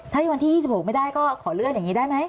ถ้าวันที่๒๖ไม่ได้ก็ขอเลื่อนอย่างนี้ได้ไหม